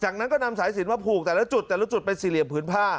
จากนั้นก็นำสายสินมาผูกแต่ละจุดแต่ละจุดเป็นสี่เหลี่ยมพื้นผ้า